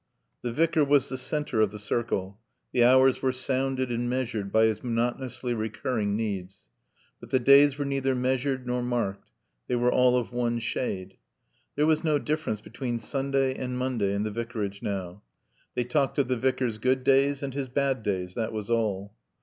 The Vicar was the center of the circle. The hours were sounded and measured by his monotonously recurring needs. But the days were neither measured nor marked. They were all of one shade. There was no difference between Sunday and Monday in the Vicarage now. They talked of the Vicar's good days and his bad days, that was all.